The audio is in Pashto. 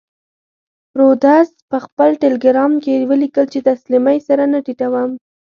رودز په خپل ټیلګرام کې ولیکل چې تسلیمۍ سر نه ټیټوم.